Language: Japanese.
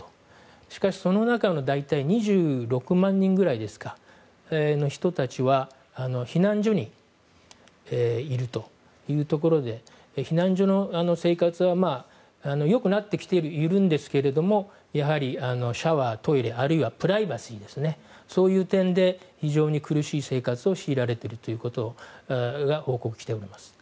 しかし、その中の大体２６万人ぐらいの人たちは避難所にいるということで避難所の生活はよくなってきているんですけれどもやはりシャワー、トイレあるいはプライバシーそういう点で非常に苦しい生活を強いられているということが報告されております。